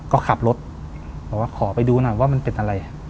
ก็ขับรถบอกว่าขอไปดูหน่อยว่ามันเป็นอะไร